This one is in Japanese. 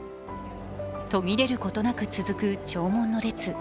途切れることなく続く弔問の列。